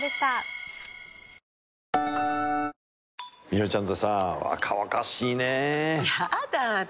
みよちゃんてさぁ若々しいね！